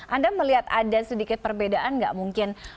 anda melihat ada sedikit perbedaan nggak mungkin